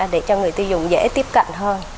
để cho người tiêu dùng dễ tiếp cận hơn